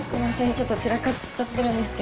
ちょっと散らかっちゃってるんですけど。